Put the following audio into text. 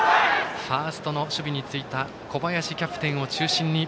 ファーストの守備についた小林キャプテンを中心に。